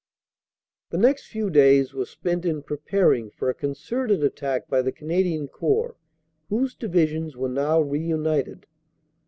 The next few days were spent in preparing for a concerted attack by the Canadian Corps, whose Divisions were now reunited.